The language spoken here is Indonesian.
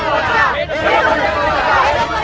hidup waringin boja